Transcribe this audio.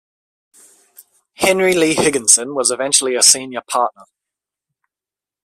Henry Lee Higginson was eventually a senior partner.